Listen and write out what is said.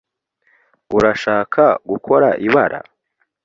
Urashaka gukora ibara?